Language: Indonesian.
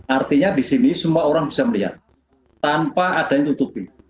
artinya di sini semua orang bisa melihat tanpa adanya tutupi